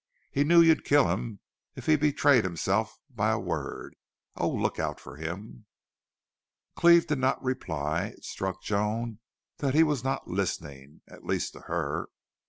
He knew you'd kill him if he betrayed himself by a word. Oh, look out for him!" Cleve did not reply. It struck Joan that he was not listening, at least to her.